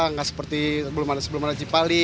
nggak seperti sebelum sebelum cipali